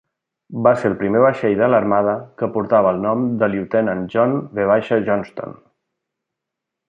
Va ser el primer vaixell de l'armada que portava el nom del Lieutenant John V. Johnston.